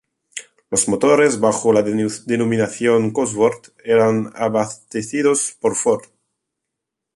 Los motores, bajo la denominación Cosworth, eran abastecidos por Ford.